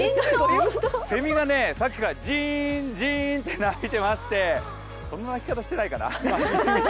せみがさっきからジーンジーンって鳴いてましてそんな鳴き方してないかな。